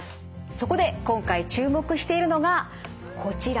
そこで今回注目しているのがこちら。